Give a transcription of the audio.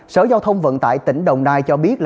sở giao thông vận tải tỉnh đồng nai cho biết